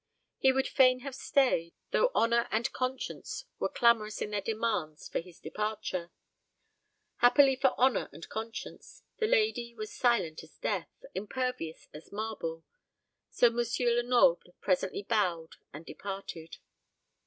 He would fain have stayed, though honour and conscience were clamorous in their demands for his departure. Happily for honour and conscience, the lady was silent as death, impervious as marble; so M. Lenoble presently bowed and departed.